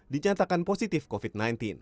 dinyatakan positif covid sembilan belas